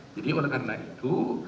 jadi oleh karena itu